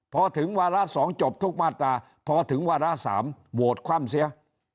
พอถึงวาระ๒จบทุกมาตราพอถึงวาระ๓โหวตคว่ำเสีย